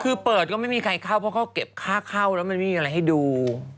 คือเปิดก็ไม่มีใครเข้าเพราะเขาเก็บค่าเข้าแล้วมันไม่มีอะไรให้ดู